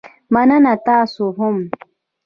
مننه، تاسو هم